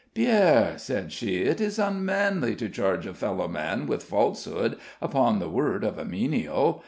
"Pierre," said she, "it is unmanly to charge a fellow man with falsehood upon the word of a menial.